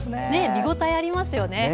見応えありますよね。